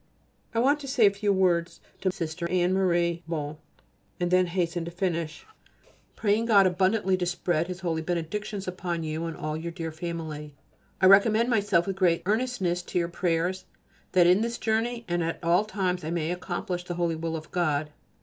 I want to say a few words to Sister Anne Marie (Bon) and then hasten to finish. Praying God abundantly to spread His holy benedictions upon you and all your dear family, I recommend myself with great earnestness to your prayers, that in this journey, and at all times, I may accomplish the holy will of God.